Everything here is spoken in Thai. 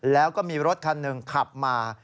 แล้วก็มีรถคันหนึ่งขับมา